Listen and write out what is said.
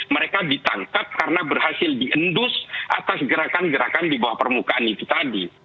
mereka ditangkap karena berhasil diendus atas gerakan gerakan di bawah permukaan itu tadi